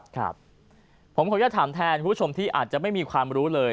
ครับผมขออนุญาตถามแทนคุณผู้ชมที่อาจจะไม่มีความรู้เลย